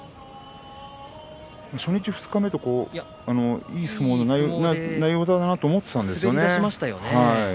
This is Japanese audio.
初日、二日目といい相撲内容だなと思っていたんですけれどもね。